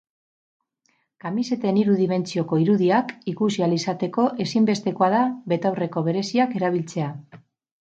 Kamiseten hiru dimentsioko irudiak ikusi ahal izateko ezinbestekoa da betaurreko bereziak erabiltzea.